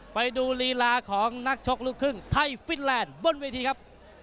ไปดูลีลาของนักชกลูกครึ่งไทยฟินแลนด์บนเวทีครับ